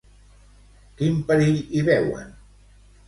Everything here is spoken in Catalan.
Quin perill hi veuen?